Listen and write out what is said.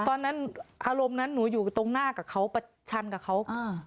ตอนนั้นอารมณ์นั้นหนูอยู่ตรงหน้ากับเขาประชันกับเขาอ่า